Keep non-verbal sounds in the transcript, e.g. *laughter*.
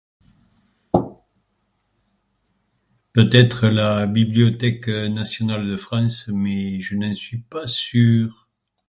*noise* Peut-être la bibliothèque nationale de France, mais je n'en suis pas sûr !